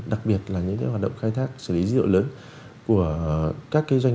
đặc biệt là những hoạt động khai thác xử lý dữ liệu lớn